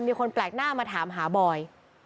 มีคนแปลกหน้ามาถามหาบอย